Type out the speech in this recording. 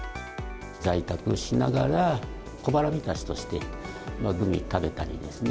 在宅しながら、小腹満たしとしてグミ食べたりですね。